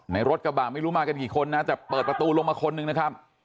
รถกระบะไม่รู้มากันกี่คนนะแต่เปิดประตูลงมาคนนึงนะครับ